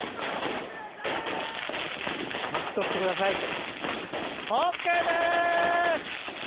巻き取ってくださいと。